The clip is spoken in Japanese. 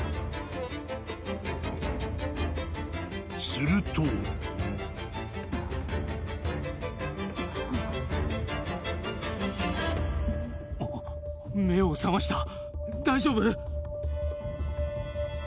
［すると］あっ目を覚ました！